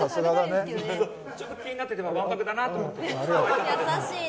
ちょっと気になっててわんぱくだなと思って。